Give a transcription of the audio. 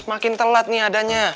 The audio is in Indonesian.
makin telat nih adanya